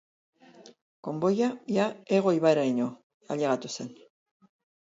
Konboia ia Ego ibairaino ailegatu zen.